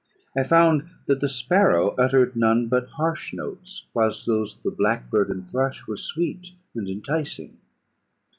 I found that the sparrow uttered none but harsh notes, whilst those of the blackbird and thrush were sweet and enticing.